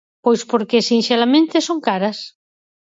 Pois porque, sinxelamente, son caras.